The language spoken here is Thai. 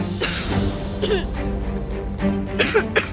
นี่คือ